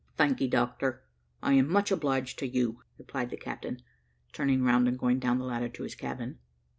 "Thanky, doctor, I am much obliged to you," replied the captain, turning round and going down the ladder to his cabin.